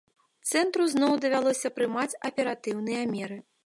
Цэнтру зноў давялося прымаць аператыўныя меры.